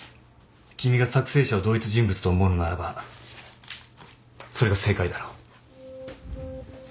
君が作成者を同一人物と思うのならばそれが正解だろう。